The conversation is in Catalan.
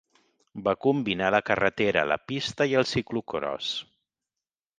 Va combinar la carretera, la pista i el ciclocròs.